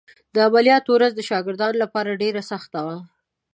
د عملیات ورځ د شاګردانو لپاره ډېره سخته وه.